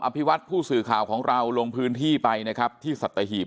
ภิวัตผู้สื่อข่าวของเราลงพื้นที่ไปนะครับที่สัตหีบ